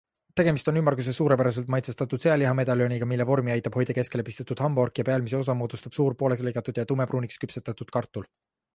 Tegemist on ümmarguse, suurepäraselt maitsestatud sealihamedaljoniga, mille vormi aitab hoida keskele pistetud hambaork ja pealmise osa moodustab suur pooleks lõigatud ja tumepruuniks küpsetatud kartul.